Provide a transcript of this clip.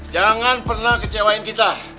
jangan pernah kecewain kita